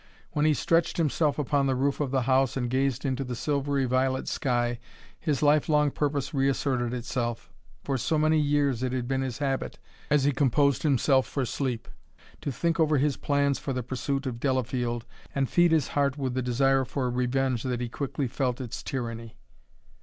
When he stretched himself upon the roof of the house and gazed into the silvery violet sky his lifelong purpose reasserted itself. For so many years it had been his habit, as he composed himself for sleep, to think over his plans for the pursuit of Delafield and feed his heart with the desire for revenge that he quickly felt its tyranny.